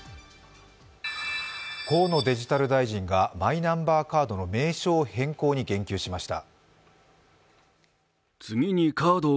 河野デジタル大臣がマイナンバーカードの名称変更に言及しました。